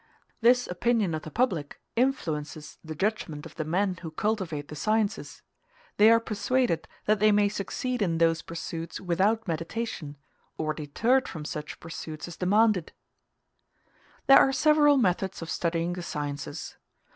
This opinion of the public influences the judgment of the men who cultivate the sciences; they are persuaded that they may succeed in those pursuits without meditation, or deterred from such pursuits as demand it. There are several methods of studying the sciences.